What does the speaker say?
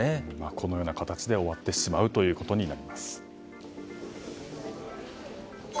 このような形で終わってしまうということになります。